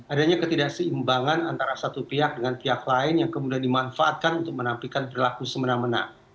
adanya ketidakseimbangan antara satu pihak dengan pihak lain yang kemudian dimanfaatkan untuk menampilkan berlaku semena mena